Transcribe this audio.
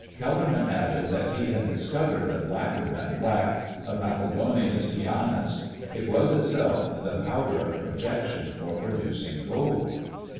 Kellerman added, that he had discovered the blacker than black of Appolonius Tyanus: it was itself "the powder of projection for producing gold."